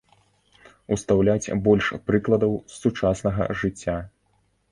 Устаўляць больш прыкладаў з сучаснага жыцця.